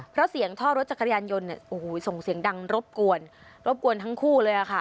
เพราะเสียงท่อรถจักรยานยนต์เนี่ยโอ้โหส่งเสียงดังรบกวนรบกวนทั้งคู่เลยค่ะ